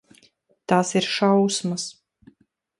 Tās ir šausmas.